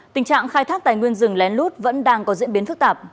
tình trạng khai thác tài nguyên rừng lén lút vẫn đang có diễn biến phức tạp